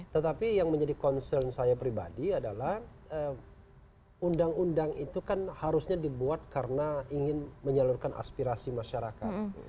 tetapi yang menjadi concern saya pribadi adalah undang undang itu kan harusnya dibuat karena ingin menyalurkan aspirasi masyarakat